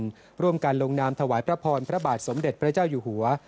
ร่วมกันลงนามถวายพระพรพระบาทสมเด็จพระเจ้าอยู่หัว